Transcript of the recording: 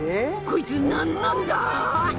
こいつ何なんだ！？